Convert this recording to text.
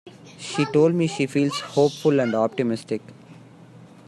She told me she feels hopeful and optimistic.